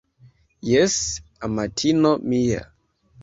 Jes, amatino mia